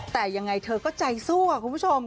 แต่ยังไงเธอก็ใจสู้ค่ะคุณผู้ชม